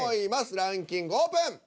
ランキングオープン！